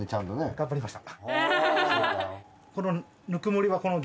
頑張りました。